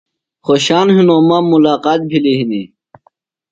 خوۡشان ہِنوۡ مہ ملاقات بھِلیۡ ہِنیۡ۔